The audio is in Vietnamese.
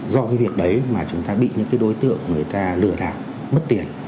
do cái việc đấy mà chúng ta bị những cái đối tượng người ta lừa đảo mất tiền